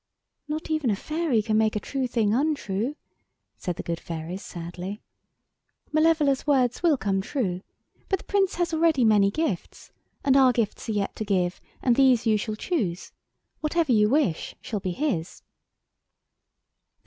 "Not even a fairy can make a true thing untrue," said the good fairies sadly. "Malevola's words will come true; but the Prince has already many gifts, and our gifts are yet to give, and these you shall choose. Whatever you wish shall be his."